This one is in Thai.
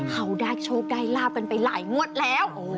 เขาได้โชคได้ลาบกันไปหลายงวดแล้ว